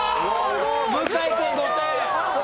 向井君５点！